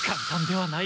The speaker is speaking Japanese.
はい！